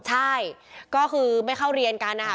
ใช่ก็คือไม่เข้าเรียนกันนะคะ